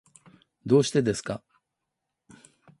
どうしてですか？